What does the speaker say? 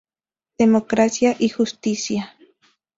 Democracia y justicia.